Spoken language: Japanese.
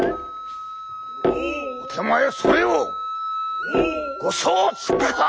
お手前それをご承知か？」。